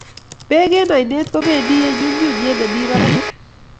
bek eng' ainet ko bendi eng' nyumnyumiet nemi barak